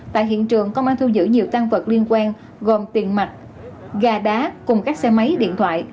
tại hiện trường công an thu giữ nhiều tăng vật liên quan gồm tiền mặt gà đá cùng các xe máy điện thoại